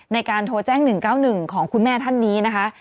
ในการโทรแจ้ง๑๙๑ของคุณแม่ท่านนี้นะคะ